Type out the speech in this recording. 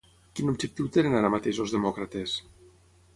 Quin objectiu tenen, ara mateix, els demòcrates?